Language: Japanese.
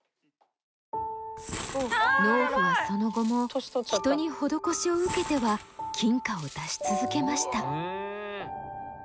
農夫はその後も人に施しを受けては金貨を出し続けました。